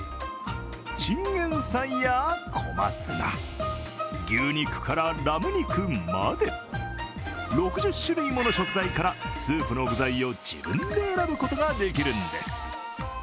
チンゲンサイや小松菜、牛肉からラム肉まで６０種類もの食材からスープの具材を自分で選ぶことができるんです。